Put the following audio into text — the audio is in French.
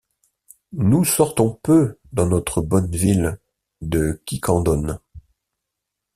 Nous sortons peu, dans notre bonne ville de Quiquendone.